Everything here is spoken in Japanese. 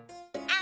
あ。